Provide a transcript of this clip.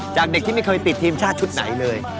จากเด็กที่ไม่เคยติดทีมชาติชุดไหนเลย